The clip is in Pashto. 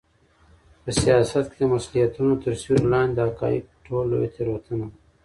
په سیاست کې د مصلحتونو تر سیوري لاندې د حقایقو پټول لویه تېروتنه ده.